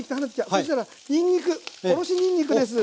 そしたらにんにくおろしにんにくです。